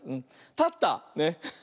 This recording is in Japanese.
たった。ね。